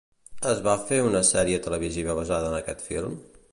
Es va fer una sèrie televisiva basada en aquest film?